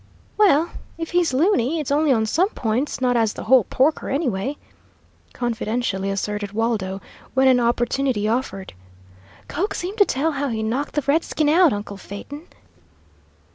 "Well, if he's looney, it's only on some points, not as the whole porker, anyway," confidentially asserted Waldo, when an opportunity offered. "Coax him to tell how he knocked the redskin out, uncle Phaeton."